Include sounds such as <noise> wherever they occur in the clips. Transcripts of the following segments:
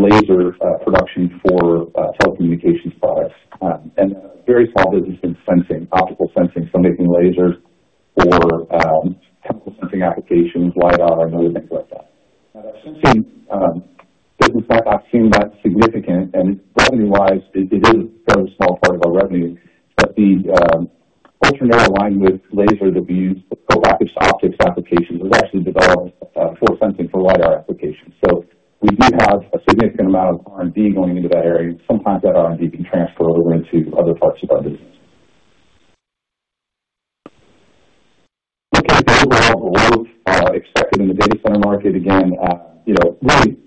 Laser production for telecommunications products. A very small business in sensing, optical sensing. Making lasers for chemical sensing applications, LIDAR and other things like that. Now the sensing business impact seem not significant and revenue wise it is a fairly small part of our revenue, but the ultra narrow bandwidth laser that we use for active optics applications was actually developed for sensing for LIDAR applications. We do have a significant amount of R&D going into that area, and sometimes that R&D can transfer over into other parts of our business. In terms of overall growth expected in the data center market, again, you know, really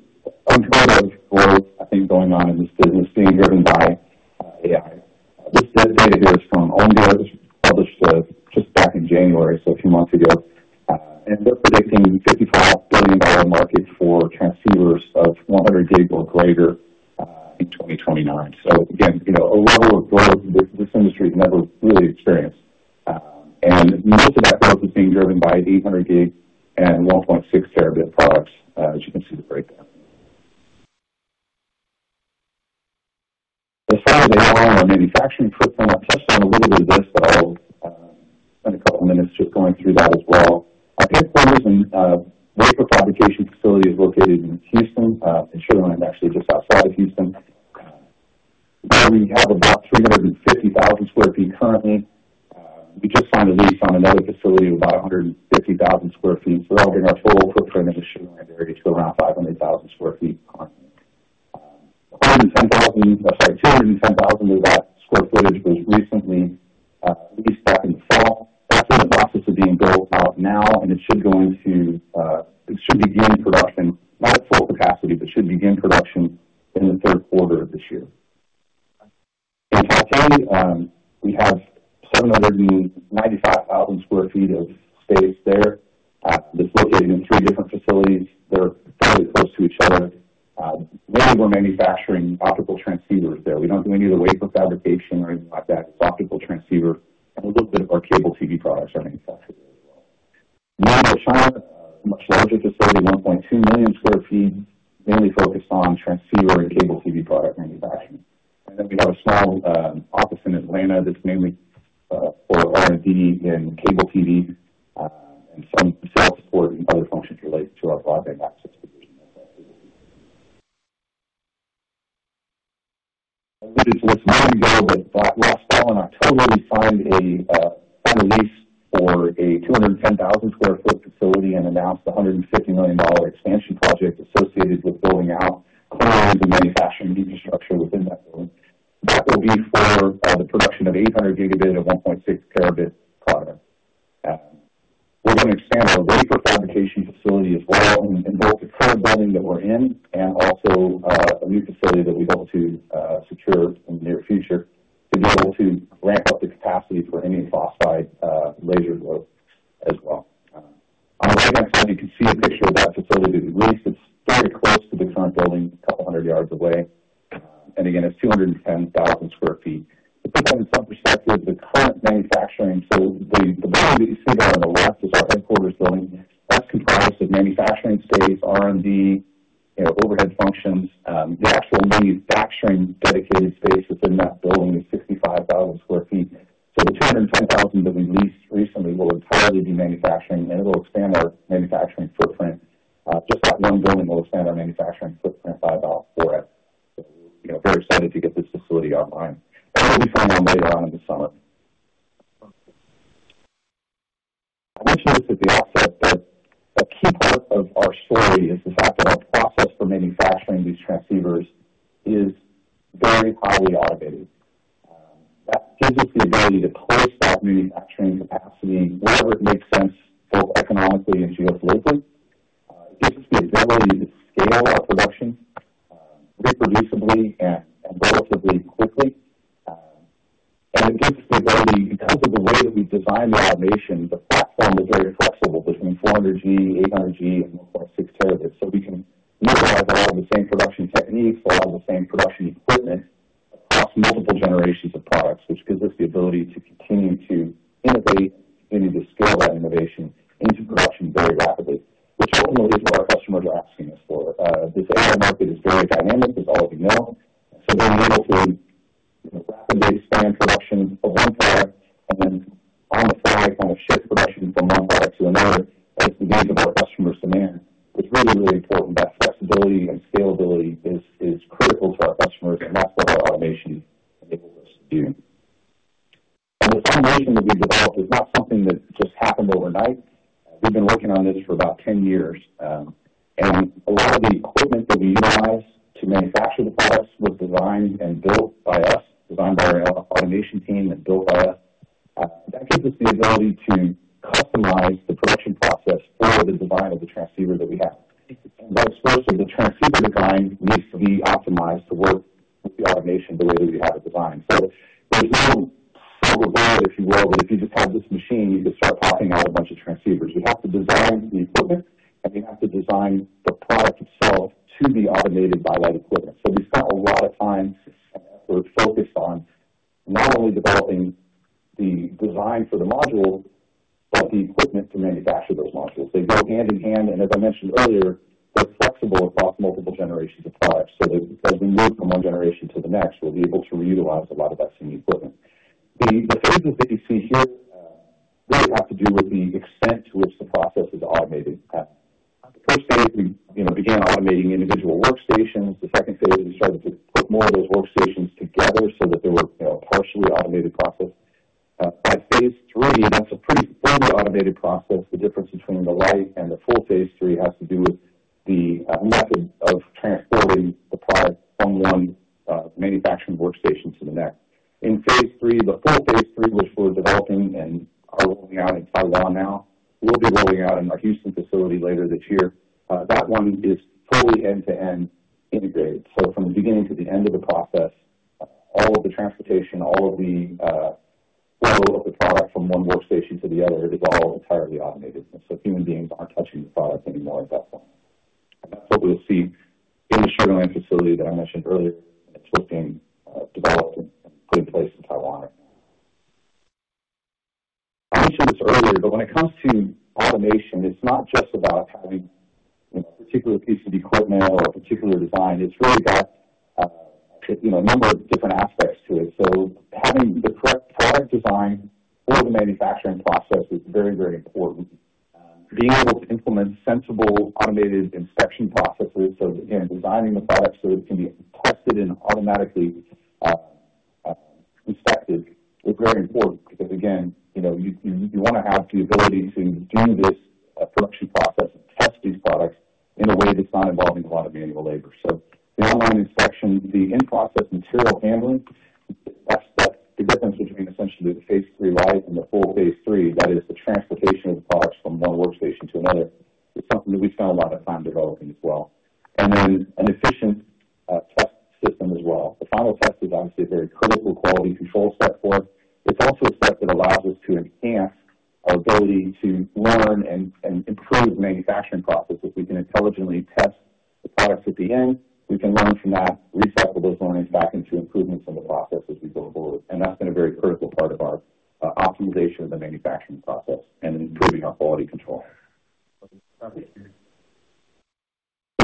extraordinary growth I think going on in this business being driven by AI. This data here is from Omdia. This was published just back in January, so a few months ago. They're predicting a $55 billion market for transceivers of 100 Gb or greater in 2029. Again, you know, a level of growth this industry has never really experienced. Most of that growth is being driven by 800 Gb and 1.6 Tb products, as you can see the breakdown. As far as our manufacturing footprint, I touched on a little bit of this, but I'll spend a couple of minutes just going through that as well. Our headquarters and wafer fabrication facility is located in Houston, in Sugar Land, actually just outside of Houston. There we have about 350,000 sq ft currently. We just signed a lease on another facility about 150,000 sq ft. That'll bring our total footprint in the Sugar Land area to around 500,000 sq ft currently. 210,000 of that square footage was recently leased back in the fall. That's in the process of being built out now, and it should begin production, not at full capacity, but should begin production in the third quarter of this year. In Taicang, we have 795,000 sq ft of space there. That's located in three different facilities that are fairly close to each other. Mainly we're manufacturing optical transceivers there. We don't do any of the wafer fabrication or anything like that. It's optical transceiver and a little bit of our cable TV products are manufactured there as well. In China, a much larger facility, 1.2 million sq ft, mainly focused on transceiver and cable TV product manufacturing. We have a small office in Atlanta that's mainly for R&D in cable TV and some sales support and other functions related to our broadband access division that facility has. I alluded to this a moment ago, but last fall in October, we signed a lease for a 210,000 sq ft facility and announced a $150 million expansion project associated with building out a brand new manufacturing infrastructure within that building. That will be for the production of 800 Gb at 1.6 Tb products. We're going to expand our wafer fabrication facility as well in both the current building that we're in and also a new facility that we hope to secure in the near future, to be able to ramp up the capacity for indium phosphide laser growth as well. On the right-hand side, you can see a picture of that facility that we leased. It's very close to the current building, a couple hundred yards away. Again, it's 210,000 sq ft. To put that in some perspective, the current manufacturing facility, the building that you see there on the left is our headquarters building. That's comprised of manufacturing space, R&D, you know, overhead functions. The actual manufacturing dedicated space within that building is 65,000 sq ft. The 210,000 that we leased recently will entirely be manufacturing, and it'll expand our manufacturing footprint. Just that one building will expand our manufacturing footprint by about 4x. We're, you know, very excited to get this facility online. That will be coming on later on in the summer. I mentioned this at the outset, but a key part of our story is the fact that our process for manufacturing these transceivers is very highly automated. That gives us the ability to place that manufacturing capacity wherever it makes sense, both economically and geographically. It gives us the ability to scale our production, reproducibly and relatively quickly. It gives us the ability because of the way that we've designed the automation, the platform is very flexible between 400 Gb, 800 Gb and 1.6 Tb. We can utilize all the same production techniques, all the same production equipment are rolling out in Taiwan now, we'll be rolling out in our Houston facility later this year. That one is fully end-to-end integrated. From the beginning to the end of the process, all of the transportation, all of the flow of the product from one workstation to the other is all entirely automated. Human beings aren't touching the product anymore at that point. That's what we'll see in the Sugar Land facility that I mentioned earlier that's looking developed and put in place in Taiwan. I mentioned this earlier, but when it comes to automation, it's not just about having, you know, a particular piece of equipment or a particular design. It's really got, you know, a number of different aspects to it. Having the correct product design for the manufacturing process is very, very important. Being able to implement sensible automated inspection processes. Again, designing the product so that it can be tested and automatically inspected is very important because again, you know, you wanna have the ability to do this production process and test these products in a way that's not involving a lot of manual labor. The online inspection, the in-process material handling, that's the difference between essentially the Phase 3 light and the full Phase 3. That is the transportation of the products from one workstation to another is something that we spent a lot of time developing as well. An efficient test system as well. The final test is obviously a very critical quality control step for us. It's also a step that allows us to enhance our ability to learn and improve the manufacturing process. If we can intelligently test the products at the end, we can learn from that, recycle those learnings back into improvements in the process as we go forward. That's been a very critical part of our optimization of the manufacturing process and improving our quality control. The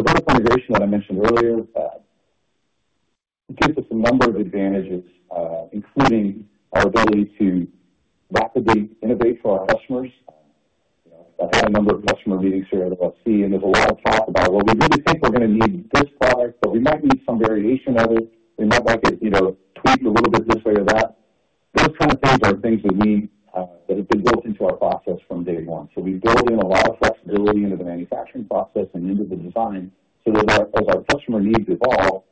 vertical integration that I mentioned earlier gives us a number of advantages, including our ability to rapidly innovate for our customers. You know, I've had a number of customer meetings here at OFC, and there's a lot of talk about, "Well, we really think we're gonna need this product, but we might need some variation of it. We might like it, you know, tweaked a little bit this way or that." Those kind of things are things that have been built into our process from day one. We build in a lot of flexibility into the manufacturing process and into the design so that as our customer needs evolve,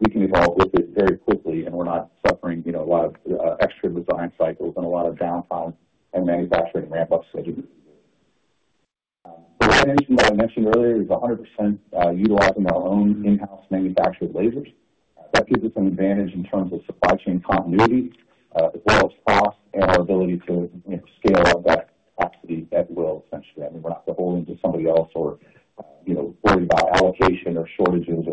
we can evolve with it very quickly and we're not suffering, you know, a lot of extra design cycles and a lot of downtime and manufacturing ramp up schedules. The advantage that I mentioned earlier is 100% utilizing our own in-house manufactured lasers. That gives us an advantage in terms of supply chain continuity, as well as cost and our ability to, you know, scale that capacity at will, essentially. I mean, we're not beholden to somebody else or, you know, worried about allocation or shortages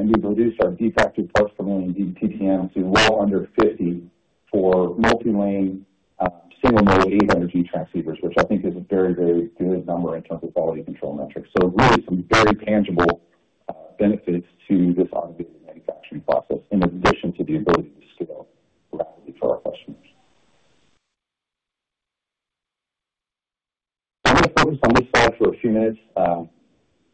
We've reduced our defective parts per million, DPM, to well under 50 for multi-lane, single mode 800 Gb transceivers, which I think is a very, very good number in terms of quality control metrics. Really some very tangible benefits to this automated manufacturing process in addition to the ability to scale rapidly for our customers. I'm gonna focus on this slide for a few minutes. You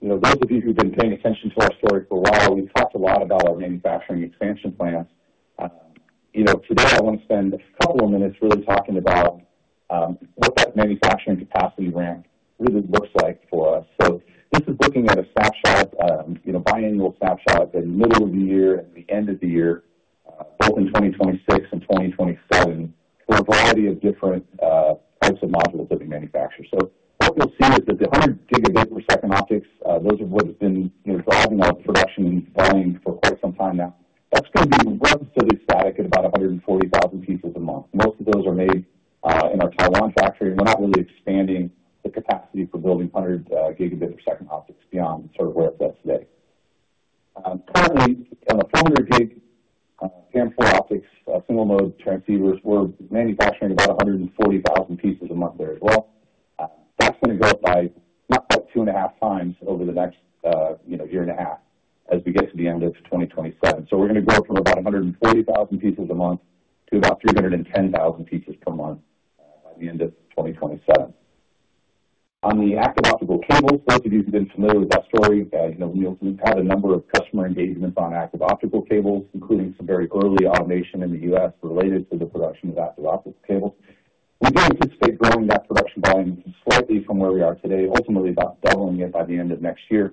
know, those of you who've been paying attention to our story for a while, we've talked a lot about our manufacturing expansion plans. You know, today I want to spend a couple of minutes really talking about what that manufacturing capacity ramp really looks like for us. This is looking at a snapshot, you know, biannual snapshot at the middle of the year and the end of the year, both in 2026 and 2027 for a variety of different types of modules that we manufacture. What you'll see is that the 100 Gb/s optics, those are what have been, you know, driving our production volume for quite some time now. That's gonna be relatively static at about 140,000 pieces a month. Most of those are made in our Taiwan factory, and we're not really expanding the capacity for building 100 Gb/s optics beyond sort of where it's at today. Currently on the 400 Gb CWDM4 optics, single mode transceivers, we're manufacturing about 140,000 pieces a month there as well. That's gonna go up by about two and a half times over the next year and a half as we get to the end of 2027. We're gonna grow from about 140,000 pieces a month to about 310,000 pieces per month by the end of 2027. On the Active Optical Cables, those of you who've been familiar with that story, you know, we've had a number of customer engagements on Active Optical Cables, including some very early automation in the U.S. related to the production of Active Optical Cables. We do anticipate growing that production volume slightly from where we are today, ultimately about doubling it by the end of next year.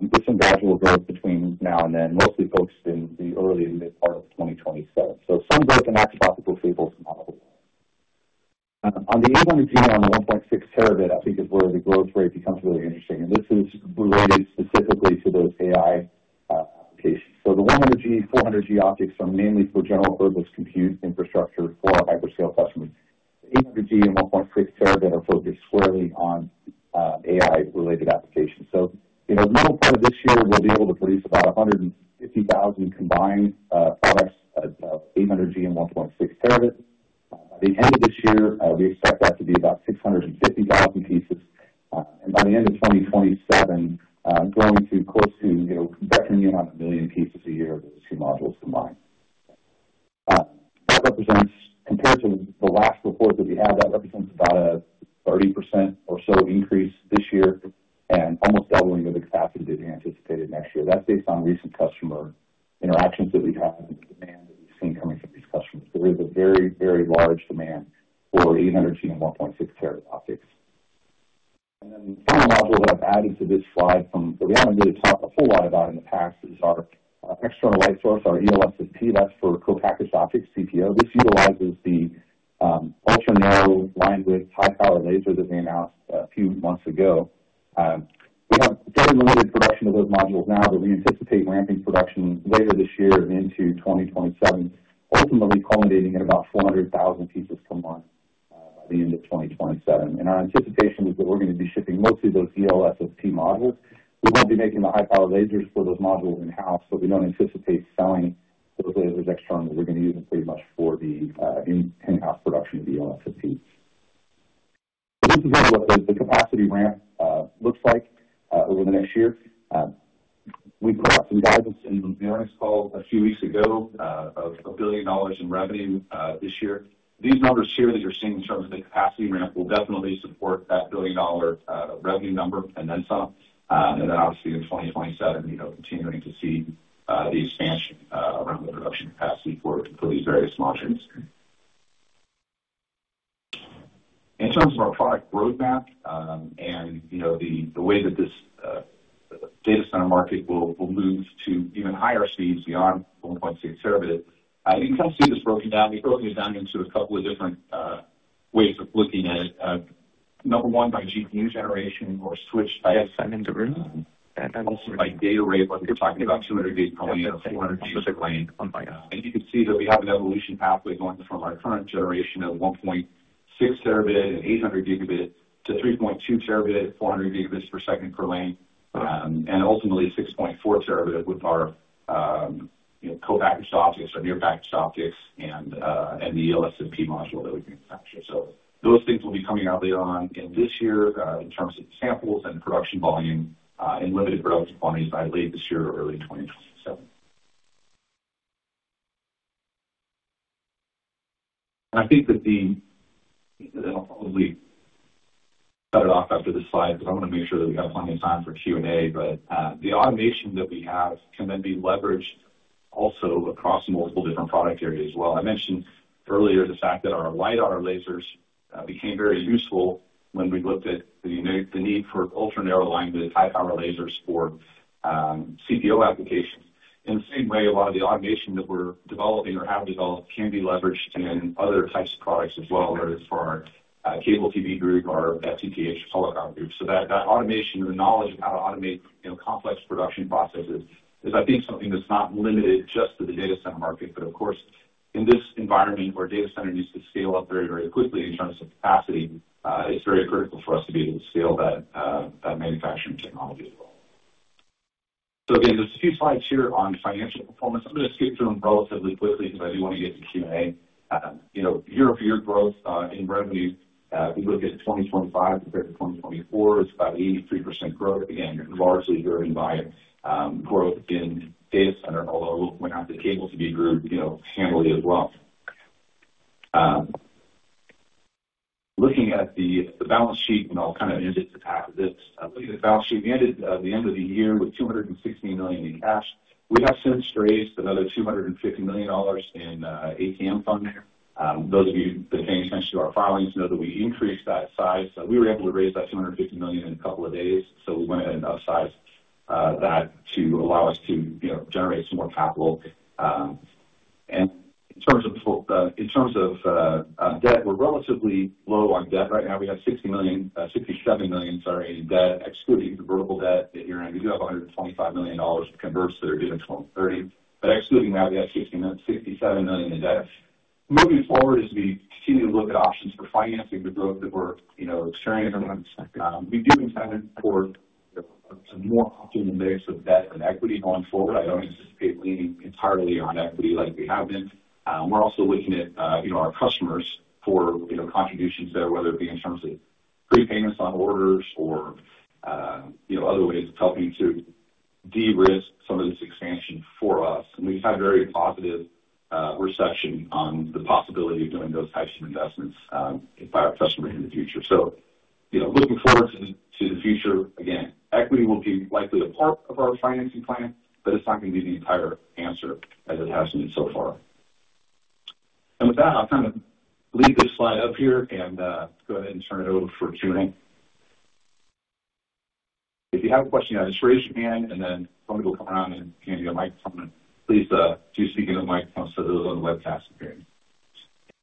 With some gradual growth between now and then, mostly focused in the early to mid part of 2027. Some growth in Active Optical Cables module. On the 800 Gb and the 1.6 Tb, I think, is where the growth rate becomes really interesting, and this is related specifically to those AI applications. The 100 Gb, 400 Gb optics are mainly for general purpose compute infrastructure for our hyperscale customers. The 800 Gb and 1.6 Tb are focused squarely on AI related applications. You know, the middle part of this year we'll be able to produce about 150,000 combined products of 800 Gb and 1.6 Tb. By the end of this year, we expect that to be about 650,000 pieces. By the end of 2027, growing to close to, you know, potentially around one million pieces a year of those two modules combined. That represents compared to the last report that we had about a 30% or so increase this year and almost doubling of the capacity that we anticipated next year. That's based on recent customer interactions that we've had and demand that we've seen coming from these customers. There is a very, very large demand for 800 Gb and 1.6 Tb optics. Then the final module that I've added to this slide from what we haven't really talked a whole lot about in the past is our external light source, our ELSFP. That's for co-packaged optics, CPO. This utilizes the ultra-narrow linewidth, high-power laser that came out a few months ago. We have very limited production of those modules now, but we anticipate ramping production later this year and into 2027, ultimately culminating in about 400,000 pieces per month by the end of 2027. Our anticipation is that we're gonna be shipping mostly those ELSFP modules. We will be making the high power lasers for those modules in-house, but we don't anticipate selling those lasers externally. We're gonna use them pretty much for the in-house production of the ELSFP. This is what the capacity ramp looks like over the next year. We put out some guidance in the earnings call a few weeks ago of $1 billion in revenue this year. These numbers here that you're seeing in terms of the capacity ramp will definitely support that $1 billion revenue number and then some. Obviously in 2027, you know, continuing to see the expansion around the production capacity for these various modules. In terms of our product roadmap, and you know, the way that this data center market will move to even higher speeds beyond 1.6 Tb, you can kind of see this broken down. We've broken it down into a couple of different ways of looking at it. Number one, by GPU generation or switch type and also by data rate, like we were talking about, 200 Gb coming out of 400 Gb per lane. You can see that we have an evolution pathway going from our current generation of 1.6 Tb and 800 Gb to 3.2 Tb at 400 Gb per second per lane. Ultimately 6.4 Tb with our co-packaged optics, our near-packaged optics and the ELSFP module that we manufacture. Those things will be coming out later on in this year in terms of samples and production volume in limited production volumes by late this year or early 2027. I think that I'll probably cut it off after this slide because I wanna make sure that we have plenty of time for Q&A. The automation that we have can then be leveraged also across multiple different product areas as well. I mentioned earlier the fact that our light on our lasers became very useful when we looked at the need for ultra-narrow linewidth, high-power lasers for CPO applications. In the same way, a lot of the automation that we're developing or have developed can be leveraged in other types of products as well, whether it's for our cable TV group or that CATV telecom group. That automation or the knowledge of how to automate, you know, complex production processes is I think something that's not limited just to the data center market. Of course, in this environment where data center needs to scale up very, very quickly in terms of capacity, it's very critical for us to be able to scale that manufacturing technology as well. There's a few slides here on financial performance. I'm gonna skip through them relatively quickly because I do wanna get to Q&A. You know, year-over-year growth in revenue, if you look at 2025 compared to 2024, it's about 83% growth, again, largely driven by growth in data center, although we'll point out the cable TV group, you know, handily as well. Looking at the balance sheet, I'll kind of end it at this. We ended the end of the year with $260 million in cash. We have since raised another $250 million in ATM funding. Those of you that pay attention to our filings know that we increased that size. We were able to raise that $250 million in a couple of days. We went ahead and upsized that to allow us to, you know, generate some more capital. In terms of debt, we're relatively low on debt right now. We have $67 million, sorry, in debt, excluding convertible debt that you're in. We do have $125 million to convert to our due in 2030. Excluding that, we have $67 million in debt. Moving forward, as we continue to look at options for financing the growth that we're experiencing, we do intend for a more optimal mix of debt and equity going forward. I don't anticipate leaning entirely on equity like we have been. We're also looking at, you know, our customers for, you know, contributions there, whether it be in terms of prepayments on orders or, you know, other ways of helping to de-risk some of this expansion for us. We've had very positive reception on the possibility of doing those types of investments by our customers in the future. You know, looking forward to the future, again, equity will be likely a part of our financing plan, but it's not gonna be the entire answer as it has been so far. With that, I'll kind of leave this slide up here and go ahead and turn it over for Q&A. If you have a question, just raise your hand, and then somebody will come around and hand you a microphone. Please, do speak in the microphone so those on the webcast can hear you.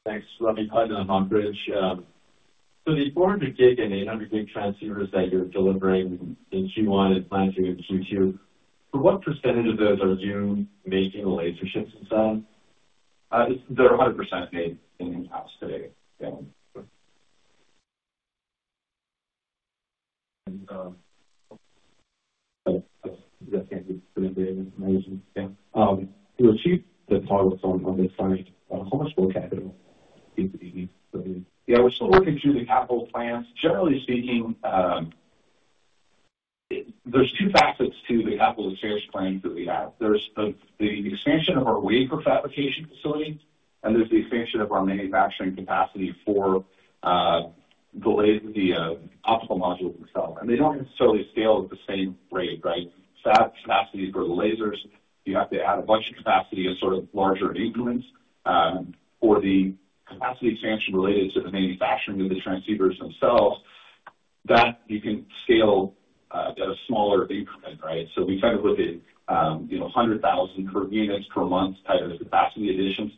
Thanks. <audio distortion> BMO. The 400 Gb and 800 Gb transceivers that you're delivering in Q1 and planning in Q2, for what percentage of those are you making the laser chips inside? They're 100% made in-house today. Yeah. And, um, That can be put in the Q&A with management. Yeah. To achieve the targets on the finance, how much more capital do you need from here? Yeah, we're still working through the capital plans. Generally speaking, there's two facets to the capital expense plans that we have. There's the expansion of our wafer fabrication facility, and there's the expansion of our manufacturing capacity for the optical modules themselves. They don't necessarily scale at the same rate, right? Fab capacity for the lasers, you have to add a bunch of capacity in sort of larger increments. For the capacity expansion related to the manufacturing of the transceivers themselves, that you can scale at a smaller increment, right? We kind of look at, you know, 100,000 per units per month type of capacity additions.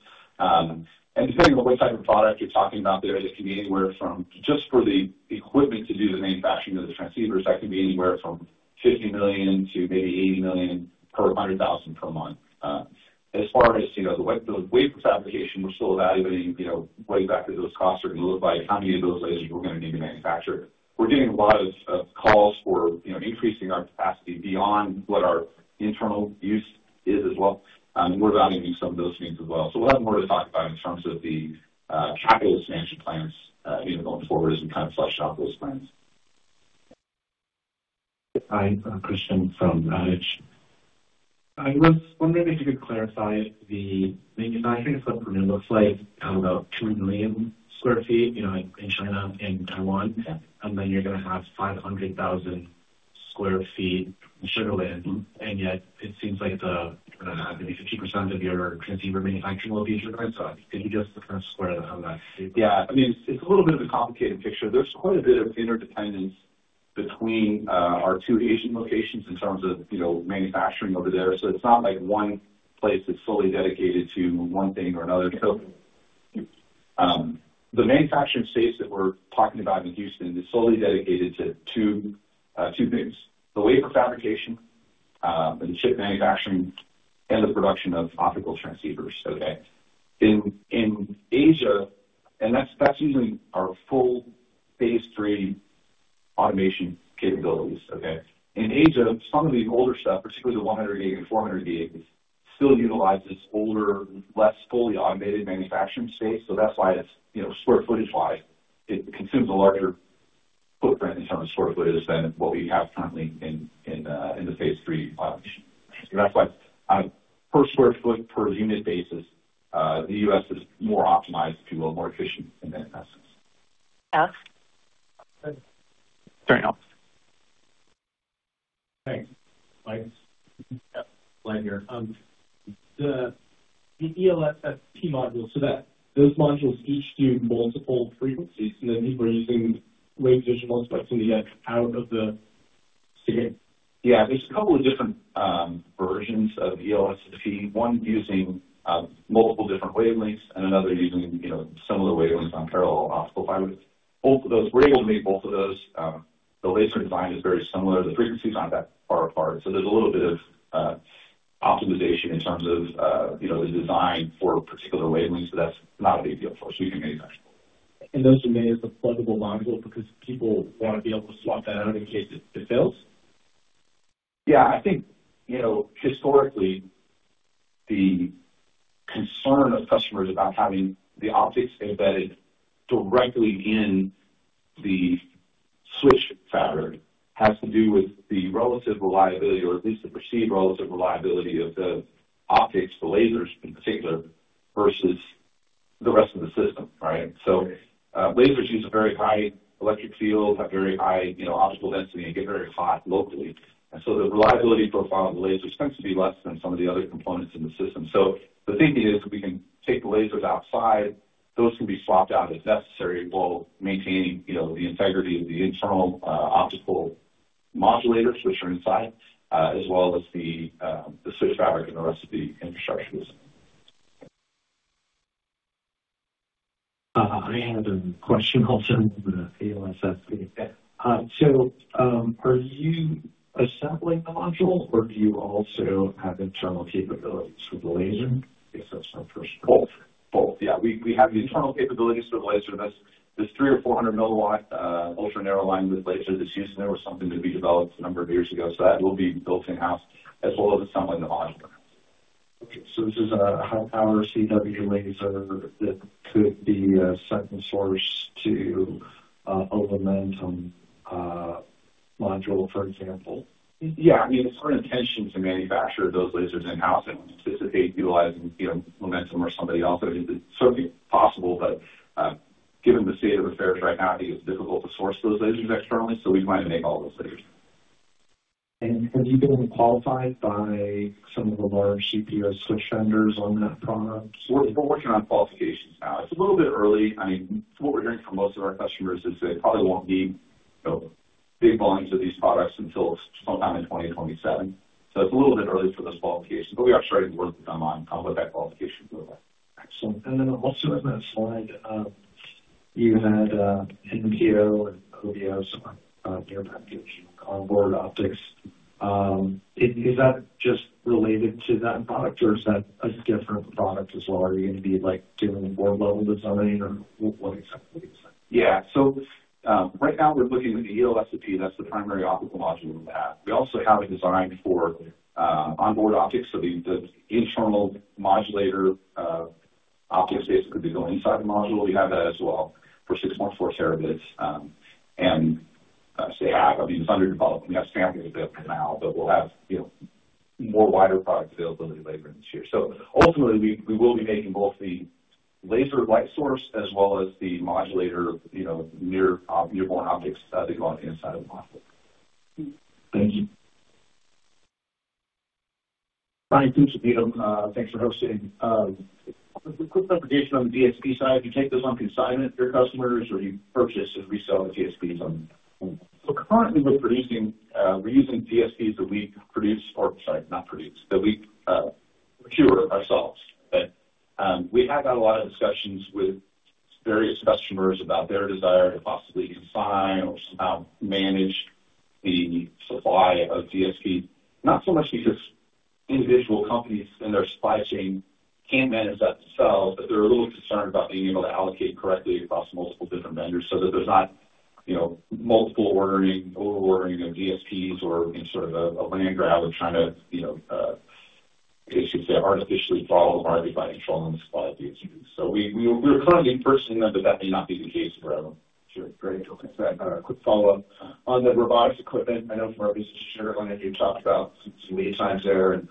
Depending on what type of product you're talking about there, it can be anywhere from just for the equipment to do the manufacturing of the transceivers. That can be anywhere from $50 million to maybe $80 million per 100,000 per month. As far as, you know, the wafer fabrication, we're still evaluating, you know, what those costs are going to look like, how many of those lasers we're gonna need to manufacture. We're getting a lot of calls for, you know, increasing our capacity beyond what our internal use is as well. We're evaluating some of those needs as well. We'll have more to talk about in terms of the capital expansion plans, you know, going forward as we kind of flesh out those plans. Hi, Christian from Craig-Hallum. I was wondering if you could clarify the manufacturing footprint. It looks like you have about 2 million sq ft, you know, in China and Taiwan. Yeah. You're gonna have 500,000 sq ft in Sugar Land. Mm-hmm. It seems like the maybe 50% of your transceiver manufacturing will be in Sugar Land. Can you just kind of square that with that statement? Yeah. I mean, it's a little bit of a complicated picture. There's quite a bit of interdependence between our two Asian locations in terms of, you know, manufacturing over there. It's not like one place that's fully dedicated to one thing or another. The manufacturing space that we're talking about in Houston is solely dedicated to two things, the wafer fabrication and the chip manufacturing and the production of optical transceivers. Okay. In Asia, that's using our full Phase 3 automation capabilities. Okay. In Asia, some of the older stuff, particularly the 100 Gb and 400 Gb, still utilizes older, less fully automated manufacturing space. That's why it's, you know, square footage wise, it consumes a larger footprint in terms of square footage than what we have currently in the Phase 3 automation. That's why on per square foot per unit basis, the U.S. is more optimized, if you will, more efficient in that sense. Alex. Sorry, Alex. Thanks. Stefan, Glenn here. The ELSFP module, so that those modules each do multiple frequencies, so that means we're using wavelength division multiplexing to get out of the Yeah. There's a couple of different versions of ELSFP, one using multiple different wavelengths and another using, you know, similar wavelengths on parallel optical fibers. Both of those. We're able to make both of those. The laser design is very similar. The frequencies aren't that far apart, so there's a little bit of optimization in terms of, you know, the design for particular wavelengths, but that's not a big deal for us. We can manufacture both. Those are made as a pluggable module because people wanna be able to swap that out in case it fails? Yeah, I think, you know, historically, the concern of customers about having the optics embedded directly in the switch pattern has to do with the relative reliability or at least the perceived relative reliability of the optics, the lasers in particular, versus the rest of the system, right? Lasers use a very high electric field, have very high, you know, optical density and get very hot locally. The reliability profile of the lasers tends to be less than some of the other components in the system. The thinking is if we can take the lasers outside, those can be swapped out as necessary while maintaining, you know, the integrity of the internal optical modulator switches inside, as well as the switch fabric and the rest of the infrastructure of the system. I had a question also on the ELSFP. Yeah. Are you assembling the module or do you also have internal capabilities for the laser? I guess that's my first. Both. Yeah. We have the internal capabilities for the laser. That's this 300 or 400 mW ultra narrow linewidth laser that's used in. There was something that we developed a number of years ago. That will be built in-house as well as assembling the module. Okay. This is a high power CW laser that could be a second source to a Lumentum module, for example? Yeah. I mean, it's our intention to manufacture those lasers in-house and anticipate utilizing, you know, Lumentum or somebody else. I mean, it certainly is possible, but, given the state of affairs right now, I think it's difficult to source those lasers externally, so we plan to make all those lasers. Have you been qualified by some of the large CPU switch vendors on that product? We're working on qualifications now. It's a little bit early. I mean, what we're hearing from most of our customers is they probably won't need, you know, big volumes of these products until sometime in 2027. It's a little bit early for those qualifications, but we are starting to work with them on what that qualification looks like. Excellent. Then also in that slide, you had NPO and OBO, near-packaged on-board optics. Is that just related to that product or is that a different product as well? Are you gonna be like doing more level designing or what exactly is that? Yeah. Right now we're looking at the ELSFP. That's the primary optical module we have. We also have a design for on-board optics. The internal modulator optics basically could be going inside the module. We have that as well for 6.4 Tb. I mean, it's under development. We have samples available now, but we'll have, you know, more wider product availability later in this year. Ultimately we will be making both the laser light source as well as the modulator, you know, mirror born optics that go on the inside of the module. Thank you. Stefan, thanks for hosting. Just a quick clarification on the DSP side. Do you take those on consignment your customers or you purchase and resell the DSPs? Currently we're using DSPs that we procure ourselves. We have had a lot of discussions with various customers about their desire to possibly consign or somehow manage the supply of DSP. Not so much because individual companies and their supply chain can't manage that themselves, but they're a little concerned about being able to allocate correctly across multiple different vendors so that there's not, you know, multiple ordering, over-ordering of DSPs or sort of a land grab of trying to, you know, I should say, artificially follow the market by controlling the supply of DSPs. We're currently purchasing them, but that may not be the case forever. Sure. Great. Okay. A quick follow-up. On the robotics equipment, I know from our business share line that you've talked about some lead times there.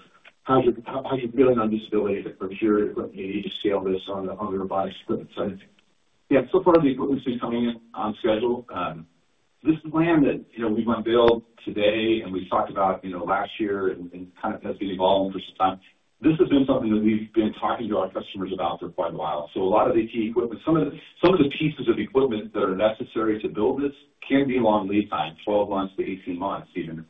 How are you feeling on visibility to procure the equipment needed to scale this on the robotics equipment side? Yeah. So far the equipment's been coming in on schedule. This plan that, you know, we want to build today and we've talked about, you know, last year and kind of has been evolving for some time, this has been something that we've been talking to our customers about for quite a while. A lot of the key equipment. Some of the pieces of equipment that are necessary to build this can be long lead time, 12-18 months even.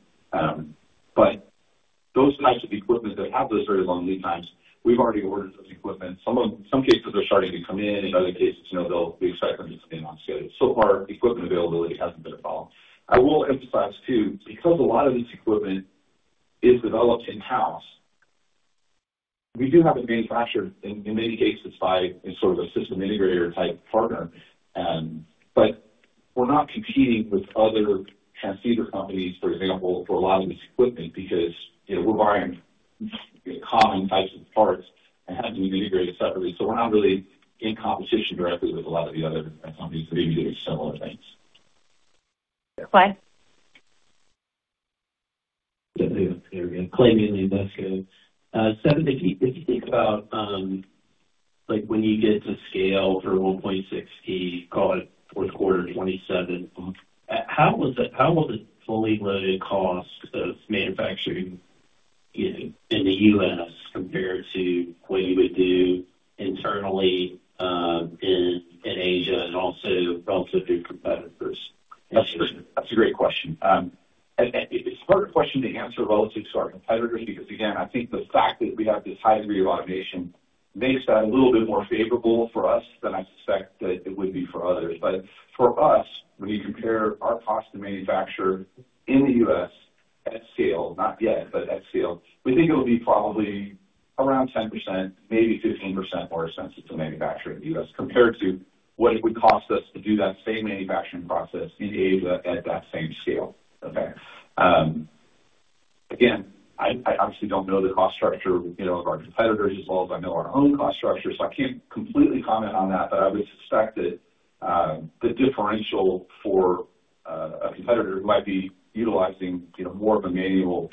Those types of equipment that have those very long lead times, we've already ordered those equipment. Some of them—in some cases are starting to come in. In other cases, you know, they'll be expected to stay on schedule. So far equipment availability hasn't been a problem. I will emphasize too, because a lot of this equipment is developed in-house, we do have it manufactured in many cases by a sort of a system integrator type partner. We're not competing with other transceiver companies, for example, for a lot of this equipment because, you know, we're buying common types of parts and having them integrated separately. We're not really in competition directly with a lot of the other companies that are doing similar things. Clay. Clay at Invesco. Stefan, if you think about, like when you get to scale for 1.6, call it fourth quarter 2027, how will the fully loaded cost of manufacturing, you know, in the U.S. compare to what you would do internally in Asia and also relative to competitors? That's a great question. It's a harder question to answer relative to our competitors because again, I think the fact that we have this high degree of automation makes that a little bit more favorable for us than I suspect that it would be for others. For us, when you compare our cost to manufacture in the U.S. at scale, not yet, but at scale, we think it will be probably around 10%, maybe 15% more expensive to manufacture in the U.S. compared to what it would cost us to do that same manufacturing process in Asia at that same scale. Okay. Again, I obviously don't know the cost structure, you know, of our competitors as well as I know our own cost structure, so I can't completely comment on that. I would suspect that the differential for a competitor who might be utilizing, you know, more of a manual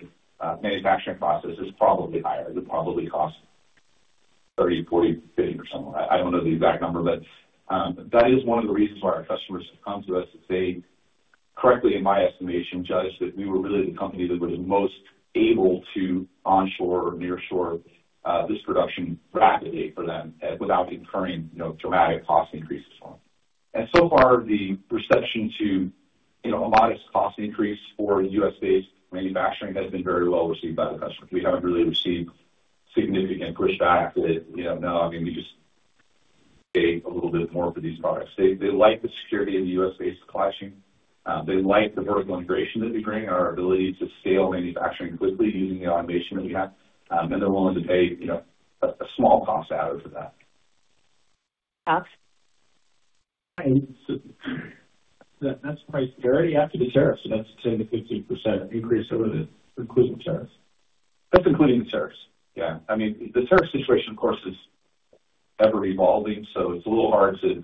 manufacturing process is probably higher. It would probably cost $30, $40, $50 or something. I don't know the exact number, but that is one of the reasons why our customers have come to us is they correctly, in my estimation, judged that we were really the company that was most able to onshore or nearshore this production rapidly for them without incurring, you know, dramatic cost increases for them. So far, the reception to, you know, a modest cost increase for U.S.-based manufacturing has been very well received by the customers. We haven't really received significant pushback that, you know, "No, I'm gonna just pay a little bit more for these products." They like the security of the U.S.-based supply chain. They like the vertical integration that we bring and our ability to scale manufacturing quickly using the automation that we have, and they're willing to pay, you know, a small cost add for that. Alex? That's price already after the tariffs, so that's 10%-15% increase including the tariffs. That's including the tariffs. Yeah. I mean, the tariff situation, of course, is ever evolving, so it's a little hard to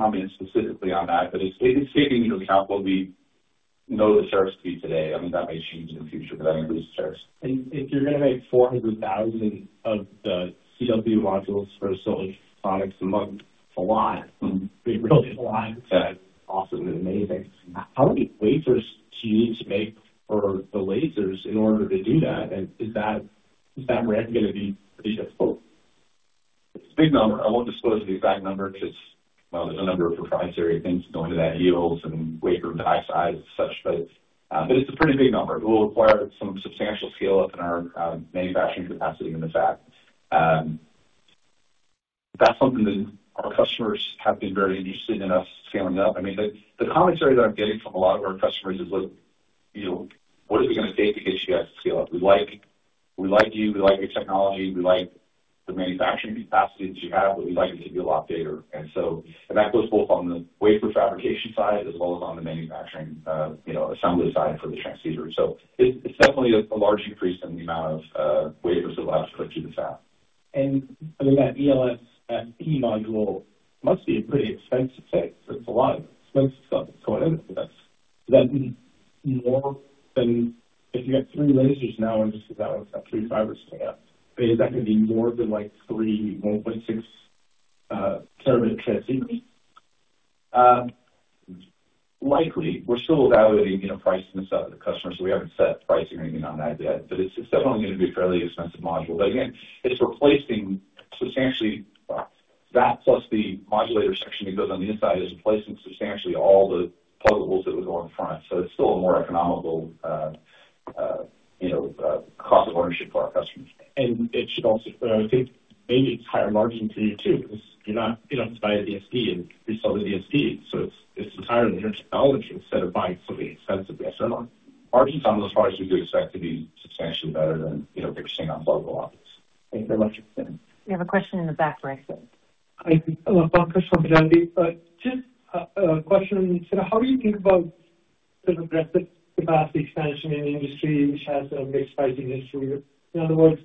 comment specifically on that. It's taking into account what we know the tariffs to be today. I mean, that may change in the future with increased tariffs. If you're gonna make 400,000 of the CW modules for solid state products a month, it's a lot. It's really a lot. Yeah. It's awesome and amazing. How many wafers do you need to make for the lasers in order to do that? Is that ramp gonna be pretty difficult? It's a big number. I won't disclose the exact number because, well, there's a number of proprietary things that go into that yield and wafer die size and such. But it's a pretty big number. It will require some substantial scale up in our manufacturing capacity in the fab. That's something that our customers have been very interested in us scaling up. I mean, the commentary that I'm getting from a lot of our customers is, look, you know, what is it gonna take to get you guys to scale up? We like your technology, we like the manufacturing capacity that you have, but we'd like it to be a lot bigger. That goes both on the wafer fabrication side as well as on the manufacturing, you know, assembly side for the transceivers. It's definitely a large increase in the amount of wafers that will have to go through the fab. I think that ELSFP module must be a pretty expensive thing. It's a lot of expensive stuff that's going into this. Will that be more than if you have three lasers now, and just to balance that three fibers coming out, is that gonna be more than like three 1.6 Tb/s? Likely. We're still evaluating, you know, pricing this out with the customer, so we haven't set pricing or anything on that yet. It's definitely gonna be a fairly expensive module. Again, that plus the modulator section that goes on the inside is replacing substantially all the pluggables that would go on front. It's still a more economical, you know, cost of ownership for our customers. I would think maybe it's higher margin for you, too, because you're not, you don't buy a DSP and resell the DSP. It's entirely your technology instead of buying something expensive. Margins on those parts we do expect to be substantially better than, you know, what you're seeing on pluggables. Thank you very much. We have a question in the back, Stefan. Hi. <audio distortion> from Jefferies. Just a question on sort of how you think about sort of rapid capacity expansion in the industry which has a mixed history. In other words,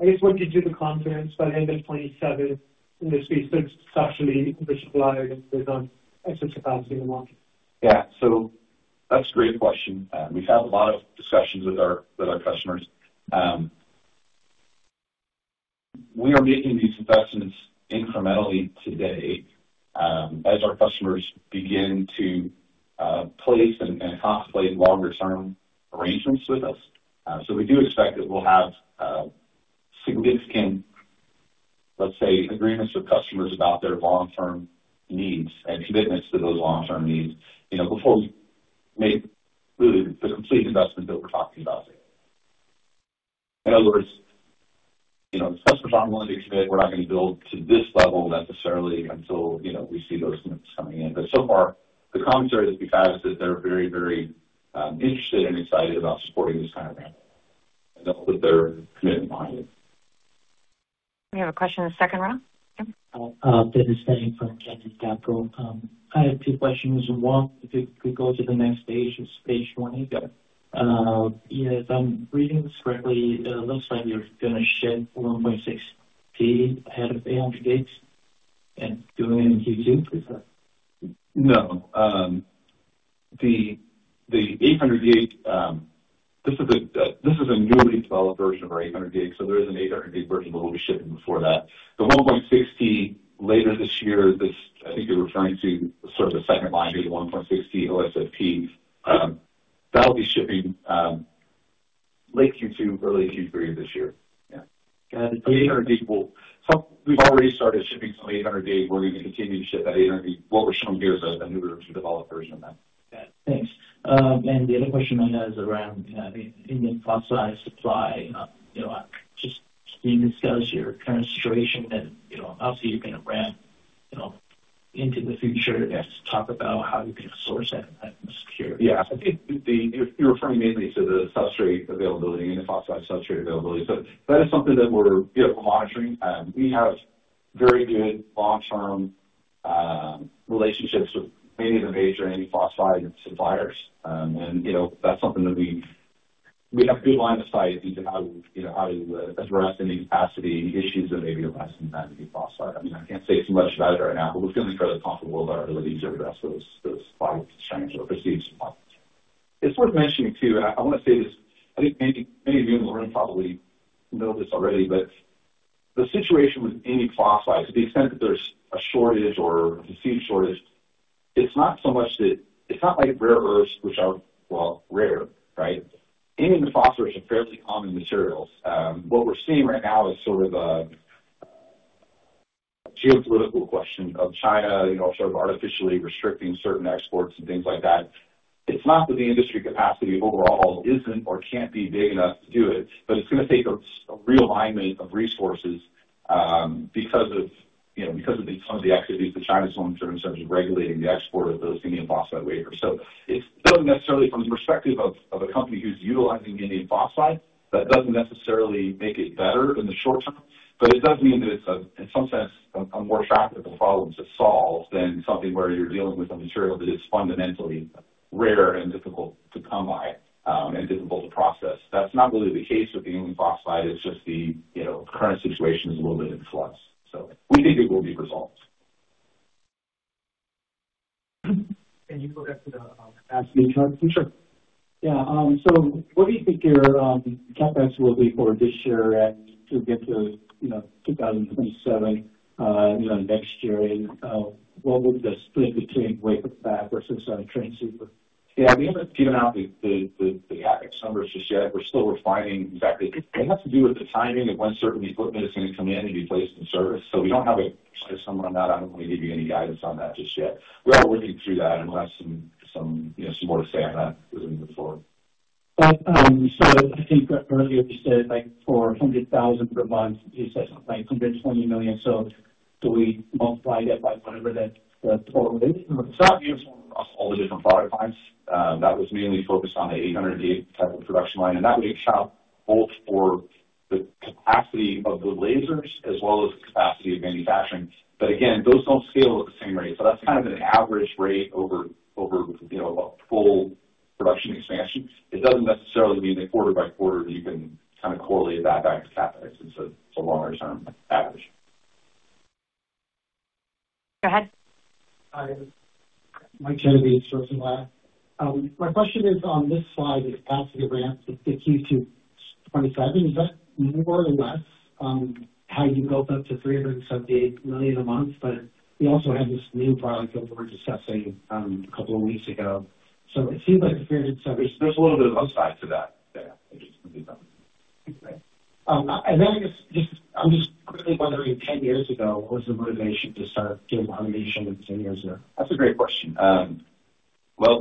I guess what gives you the confidence by the end of 2027 industry substantially oversupplied if there's not excess capacity in the market? Yeah. That's a great question. We've had a lot of discussions with our customers. We are making these investments incrementally today, as our customers begin to place and contemplate longer term arrangements with us. We do expect that we'll have significant, let's say, agreements with customers about their long term needs and commitments to those long term needs, you know, before we make really the complete investment that we're talking about here. In other words, you know, unless we're voluntarily committed, we're not gonna build to this level necessarily until, you know, we see those commitments coming in. So far, the commentary that we've had is that they're very interested and excited about supporting this kind of ramp and they'll put their commitment behind it. We have a question in the second row. Yeah. <audio distortion> from Genstar Capital. I have two questions. One, if you could go to the next page, it's page 20. You got it. Stefan, if I'm reading this correctly, it looks like you're gonna ship 1.6 Tb ahead of 800 Gb and do it in Q2. Is that- No. The 800 Gb, this is a newly developed version of our 800 Gb, so there is an 800 Gb version that we'll be shipping before that. The 1.6 Tb later this year, I think you're referring to sort of the second line, maybe the 1.6 Tb OSFP. That'll be shipping late Q2, early Q3 of this year. Yeah. Got it. We've already started shipping some 800 Gb. We're gonna continue to ship that 800 Gb. What we're showing here is a newer developed version of that. Got it. Thanks. The other question I had is around, you know, the indium phosphide supply. You know, just can you discuss your current situation and, you know, obviously you're gonna ramp, you know, into the future. Yes. Talk about how you're gonna source that and secure it. Yeah. I think you're referring mainly to the substrate availability, the indium phosphide substrate availability. That is something that we're, you know, monitoring. We have very good long-term relationships with many of the major indium phosphide suppliers. And you know, that's something that we have a good line of sight into how, you know, how to address any capacity issues that may arise in that indium phosphide. I mean, I can't say too much about it right now, but we're feeling fairly comfortable with our ability to address those supply constraints or perceived supply constraints. It's worth mentioning too, I wanna say this, I think many of you in the room probably know this already, but the situation with indium phosphide, to the extent that there's a shortage or a perceived shortage, it's not so much that it's not like rare earths, which are, well, rare, right? Indium and phosphorus are some fairly common materials. What we're seeing right now is sort of a geopolitical question of China, you know, sort of artificially restricting certain exports and things like that. It's not that the industry capacity overall isn't or can't be big enough to do it, but it's gonna take a realignment of resources, because of you know some of the activities that China's doing in terms of regulating the export of those indium phosphide wafers. It doesn't necessarily from the perspective of a company who's utilizing the indium phosphide, that doesn't necessarily make it better in the short term, but it does mean that it's a in some sense a more tractable problem to solve than something where you're dealing with a material that is fundamentally rare and difficult to come by, and difficult to process. That's not really the case with the indium phosphide. It's just the, you know, current situation is a little bit in flux, so we think it will be resolved. Can you go back to the capacity chart? Sure. Yeah. So what do you think your CapEx will be for this year and to get to, you know, 2027, you know, next year? What would the split between wafer fab versus transceiver? Yeah. We haven't given out the CapEx numbers just yet. We're still refining exactly. It has to do with the timing of when certain equipment is gonna come in and be placed in service. We don't have a precise number on that. I don't wanna give you any guidance on that just yet. We are working through that until some, you know, some more to say on that as we move forward. I think earlier you said like $400,000 per month, you said something like $120 million. Do we multiply that by whatever the total is? It's not uniform across all the different product lines. That was mainly focused on the 800 Gb type of production line, and that would account both for the capacity of the lasers as well as the capacity of manufacturing. Again, those don't scale at the same rate. That's kind of an average rate over, you know, a full production expansion. It doesn't necessarily mean that quarter by quarter you can kind of correlate that back to CapEx. It's a longer term average. Go ahead. Hi. Mike Kennedy. <audio distortion> My question is on this slide, the capacity ramp, the Q2 2027, is that more or less how you built up to $378 million a month? You also had this new product that we were just discussing a couple of weeks ago. It seems like $378 million. There's a little bit of upside to that. I guess just I'm just quickly wondering, 10 years ago, what was the motivation to start deal automation and things? That's a great question. It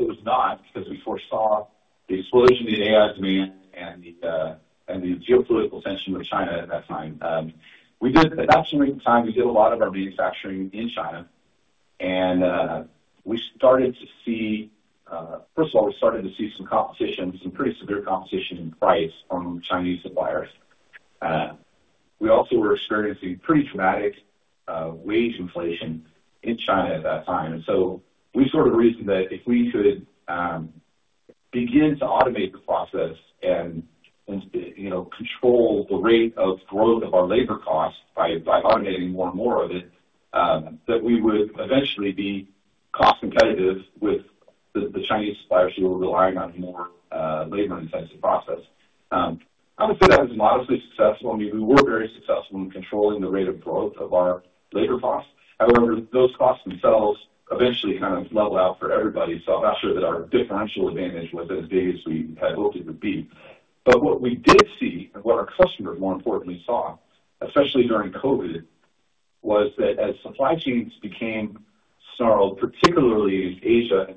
was not because we foresaw the explosion in AI demand and the geopolitical tension with China at that time. At about the same time we did a lot of our manufacturing in China, and we started to see, first of all, some competition, some pretty severe competition in price from Chinese suppliers. We also were experiencing pretty dramatic wage inflation in China at that time. We sort of reasoned that if we could begin to automate the process and, you know, control the rate of growth of our labor costs by automating more and more of it, that we would eventually be cost competitive with the Chinese suppliers who were relying on more labor intensive process. I would say that was modestly successful. I mean, we were very successful in controlling the rate of growth of our labor costs. However, those costs themselves eventually kind of level out for everybody. I'm not sure that our differential advantage was as big as we had hoped it would be. What we did see, and what our customers more importantly saw, especially during COVID, was that as supply chains became snarled, particularly in Asia,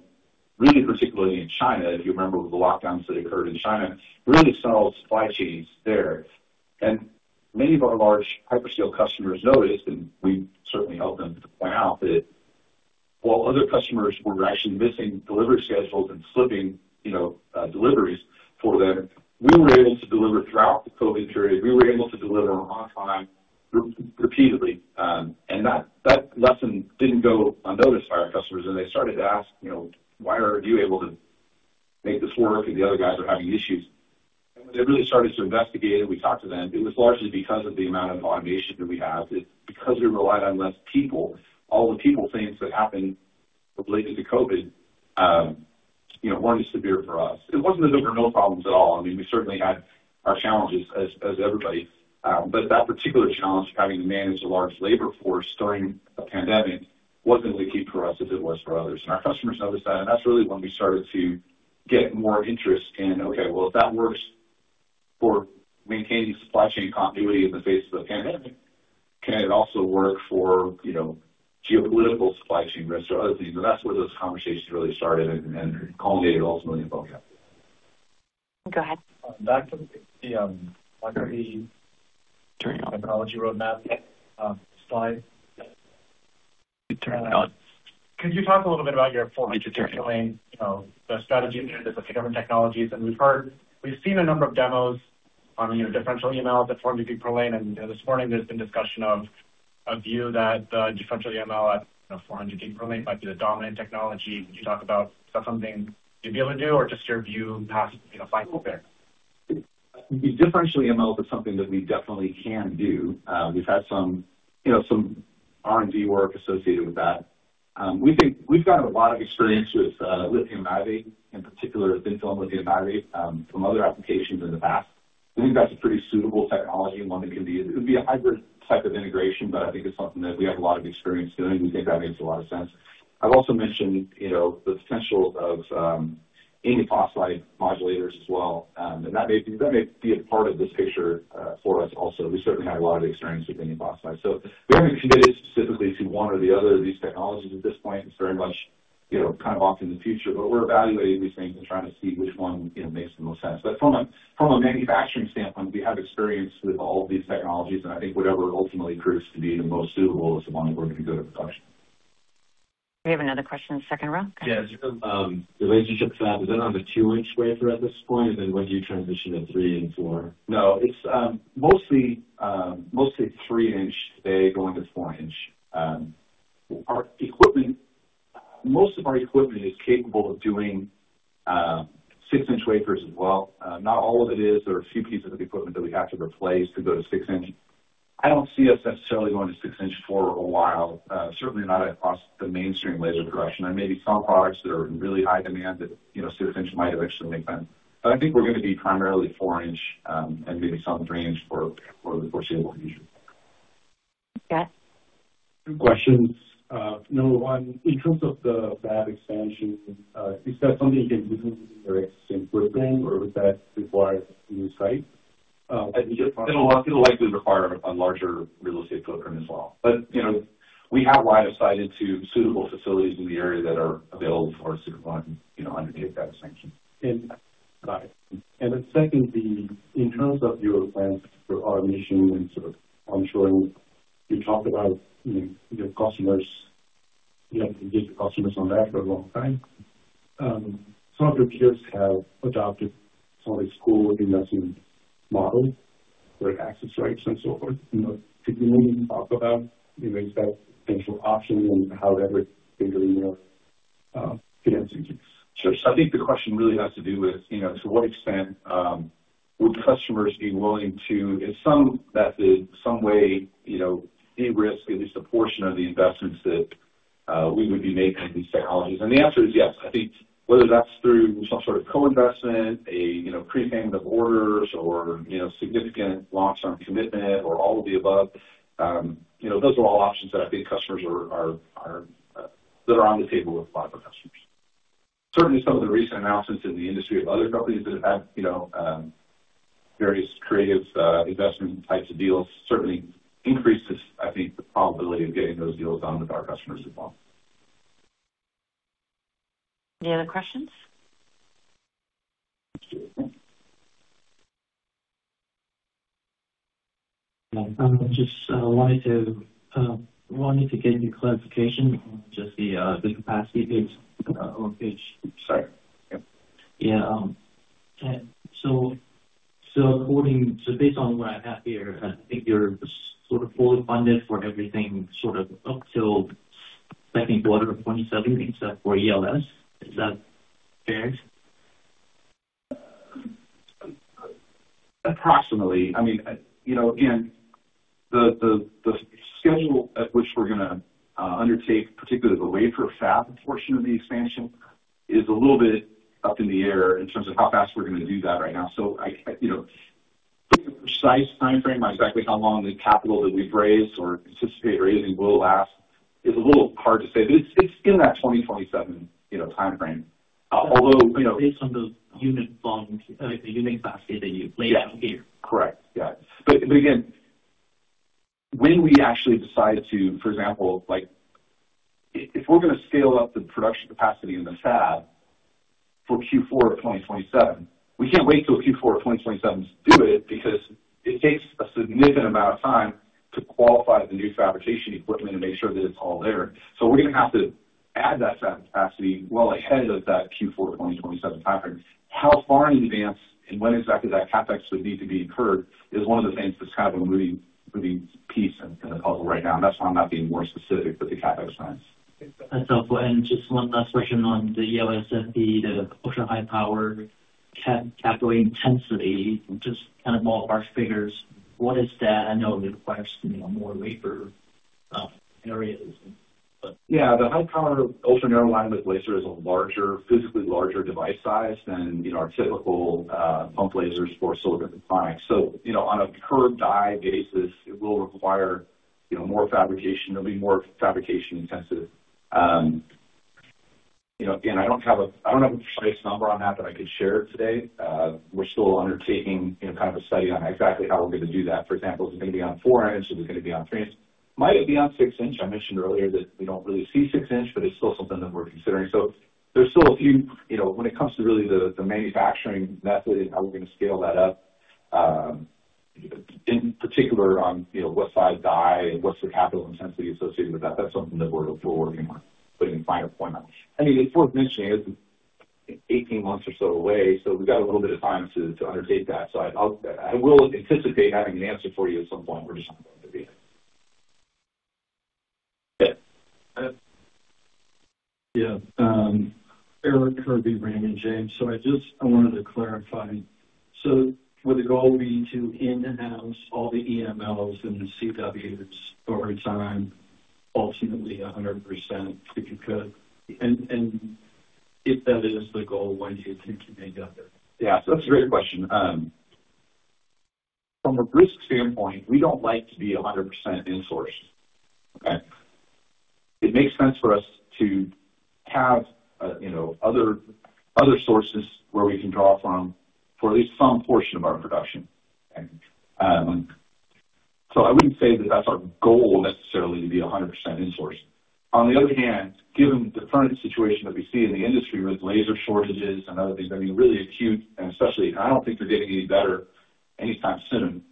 really particularly in China, if you remember the lockdowns that occurred in China, really snarled supply chains there. Many of our large hyperscale customers noticed, and we certainly helped them to point out that while other customers were actually missing delivery schedules and slipping, you know, deliveries for them, we were able to deliver throughout the COVID period. We were able to deliver on time repeatedly. That lesson didn't go unnoticed by our customers. They started to ask, you know, "Why are you able to make this work and the other guys are having issues?" When they really started to investigate it, we talked to them, it was largely because of the amount of automation that we have. It's because we relied on less people. All the people things that happened related to COVID, you know, weren't as severe for us. It wasn't that there were no problems at all. I mean, we certainly had our challenges as everybody. That particular challenge of having to manage a large labor force during a pandemic wasn't as acute for us as it was for others. Our customers noticed that, and that's really when we started to get more interest in, okay, well, if that works for maintaining supply chain continuity in the face of the pandemic, can it also work for, you know, geopolitical supply chain risks or other things? That's where those conversations really started and culminated ultimately in OFC. Go ahead. Back to the technology roadmap slide. Could you talk a little bit about your 400 Gb per lane, you know, the strategy there, the different technologies? We've seen a number of demos on, you know, differential MZM at 400 Gb per lane. You know, this morning there's been discussion of a view that the differential MZM at, you know, 400 Gb per lane might be the dominant technology. Could you talk about is that something you'd be able to do or just your view past, you know, 5 Gb there? Differential MZM is something that we definitely can do. We've had some, you know, R&D work associated with that. We think we've got a lot of experience with lithium niobate, in particular thin film lithium niobate, from other applications in the past. We think that's a pretty suitable technology, and one that would be a hybrid type of integration, but I think it's something that we have a lot of experience doing. We think that makes a lot of sense. I've also mentioned, you know, the potential of indium phosphide modulators as well. That may be a part of this picture for us also. We certainly have a lot of experience with indium phosphide. We haven't committed specifically to one or the other of these technologies at this point. It's very much, you know, kind of off in the future. We're evaluating these things and trying to see which one, you know, makes the most sense. From a manufacturing standpoint, we have experience with all of these technologies, and I think whatever ultimately proves to be the most suitable is the one we're gonna go to production. We have another question, second row. Go ahead. Yeah. Just, relationship to that, is that on the 2-in wafer at this point? When do you transition to three and four? No, it's mostly 3-in today, going to 4-in. Our equipment, most of our equipment is capable of doing 6-in wafers as well. Not all of it is. There are a few pieces of equipment that we have to replace to go to 6-in. I don't see us necessarily going to 6-in for a while. Certainly not across the mainstream laser production. There may be some products that are in really high demand that, you know, 6-in might eventually make sense. I think we're gonna be primarily 4-in, and maybe some 3-in for the foreseeable future. Scott. Two questions. Number one, in terms of the fab expansion, is that something you can do with your existing footprint, or would that require a new site? I think you- It'll likely require a larger real estate footprint as well. You know, we have line of sight into suitable facilities in the area that are available for us to acquire, you know, undertake that expansion. Got it. Then secondly, in terms of your plans for automation and sort of onshoring, you talked about, you know, your customers. You have to get the customers on that for a long time. Some of your peers have adopted some of these co-investment models where access rights and so forth. You know, could you maybe talk about, you know, is that a potential option and how that would figure in your financing? Sure. I think the question really has to do with, you know, to what extent, would customers be willing to, in some method, some way, you know, de-risk at least a portion of the investments that, we would be making in these technologies? The answer is yes. I think whether that's through some sort of co-investment, you know, prepayment of orders or, you know, significant long-term commitment or all of the above, you know, those are all options that I think customers are that are on the table with a lot of our customers. Certainly, some of the recent announcements in the industry of other companies that have had, you know, various creative, investment types of deals certainly increases, I think, the probability of getting those deals done with our customers as well. Any other questions? Yeah. Just wanted to get you clarification on just the capacity builds on page six. Sorry. Yeah. Yeah. Based on what I have here, I think you're sort of fully funded for everything sort of up till second quarter of 2027 except for ELS. Is that fair? Approximately. I mean, you know, again, the schedule at which we're gonna undertake, particularly the wafer fab portion of the expansion, is a little bit up in the air in terms of how fast we're gonna do that right now. You know, put a precise timeframe on exactly how long the capital that we've raised or anticipate raising will last is a little hard to say. It's in that 2027 timeframe. Based on the unit volume, the unit capacity that you've laid out here. Yeah. Correct. Yeah. Again, when we actually decide to, for example, like if we're gonna scale up the production capacity in the fab for Q4 of 2027, we can't wait till Q4 of 2027 to do it because it takes a significant amount of time to qualify the new fabrication equipment and make sure that it's all there. We're gonna have to add that capacity well ahead of that Q4 of 2027 timeframe. How far in advance and when exactly that CapEx would need to be incurred is one of the things that's kind of a moving piece in the puzzle right now. That's why I'm not being more specific with the CapEx plans. That's helpful. Just one last question on the ELSFP, the ultra-high power capital intensity, just kind of ballpark figures. What is that? I know it requires, you know, more wafer areas, but- The high power ultra narrow linewidth laser is a larger, physically larger device size than, you know, our typical pump lasers for silicon photonics. You know, on a per die basis, it will require more fabrication. It'll be more fabrication intensive. You know, again, I don't have a precise number on that that I could share today. We're still undertaking, you know, kind of a study on exactly how we're gonna do that. For example, is it gonna be on 4-in? Is it gonna be on 3-in? Might it be on 6-in? I mentioned earlier that we don't really see 6-in, but it's still something that we're considering. There's still a few, you know, when it comes to really the manufacturing method and how we're gonna scale that up. In particular on, you know, what size die and what's the capital intensity associated with that's something that we're working on putting final point on. I mean, it's worth mentioning it's 18 months or so away, so we've got a little bit of time to undertake that. I will anticipate having an answer for you at some point. We're just not going to be it. Yeah. Eric Kirby, Raymond James. I wanted to clarify. Would the goal be to in-house all the EMLs and the CWs over time, ultimately 100%, if you could? If that is the goal, when do you think you may get there? Yeah. That's a great question. From a risk standpoint, we don't like to be 100% insourced. Okay? It makes sense for us to have, you know, other sources where we can draw from for at least some portion of our production. I wouldn't say that that's our goal necessarily to be 100% insourced. On the other hand, given the current situation that we see in the industry with laser shortages and other things that being really acute, and especially, I don't think they're getting any better anytime soon.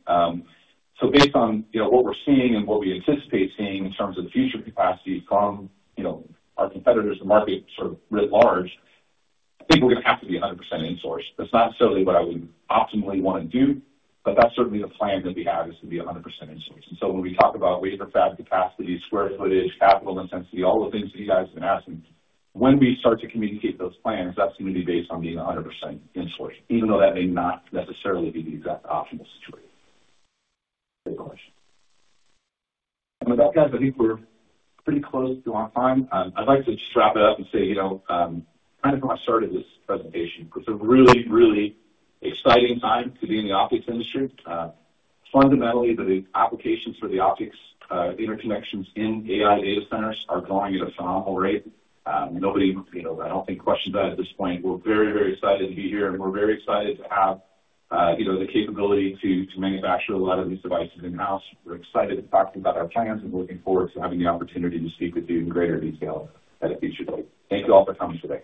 Based on, you know, what we're seeing and what we anticipate seeing in terms of the future capacity from, you know, our competitors, the market sort of writ large, I think we're gonna have to be 100% insourced. That's not necessarily what I would optimally wanna do, but that's certainly the plan that we have is to be 100% insourced. When we talk about wafer fab capacity, square footage, capital intensity, all the things that you guys have been asking, when we start to communicate those plans, that's gonna be based on being 100% insourced, even though that may not necessarily be the exact optimal situation. Great question. With that, guys, I think we're pretty close to our time. I'd like to just wrap it up and say, you know, kind of when I started this presentation, it's a really, really exciting time to be in the optics industry. Fundamentally, the applications for the optics, interconnections in AI data centers are growing at a phenomenal rate. Nobody, you know, I don't think anybody questions that at this point. We're very, very excited to be here, and we're very excited to have, you know, the capability to manufacture a lot of these devices in-house. We're excited to talk to you about our plans and looking forward to having the opportunity to speak with you in greater detail at a future date. Thank you all for coming today.